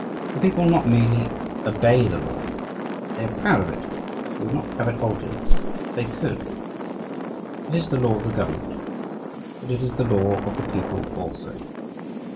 "The people not merely obey the law, but they are proud of it; they would not have it altered if they could. It is the law of the government, but it is the law of the people also....